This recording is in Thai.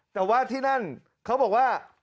ตอนนั้นเขาบอกว่า